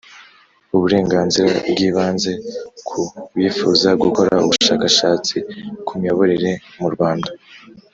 uburenganzira bw ibanze ku bifuza gukora ubushakashatsi ku miyoborere mu Rwanda